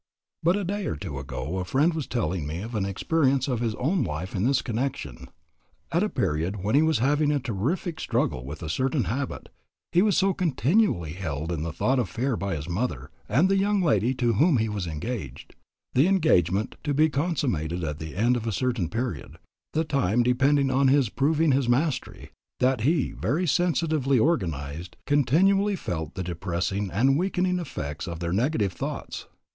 But a day or two ago a friend was telling me of an experience of his own life in this connection. At a period when he was having a terrific struggle with a certain habit, he was so continually held in the thought of fear by his mother and the young lady to whom he was engaged, the engagement to be consummated at the end of a certain period, the time depending on his proving his mastery, that he, very sensitively organized, continually felt the depressing and weakening effects of their negative thoughts.